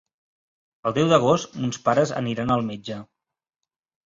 El deu d'agost mons pares aniran al metge.